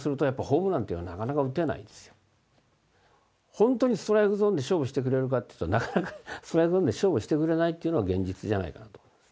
本当にストライクゾーンで勝負してくれるかっていうとなかなかストライクゾーンで勝負してくれないっていうのが現実じゃないかなと。